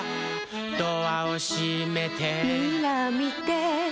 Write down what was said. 「ドアをしめて」「ミラーみて」